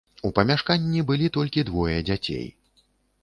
У памяшканні былі толькі двое дзяцей.